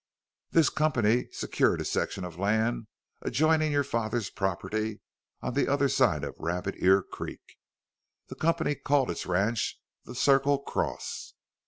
This company secured a section of land adjoining your father's property, on the other side of Rabbit Ear Creek. The company called its ranch the Circle Cross.